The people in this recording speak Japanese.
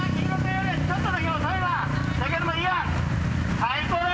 最高だぞ！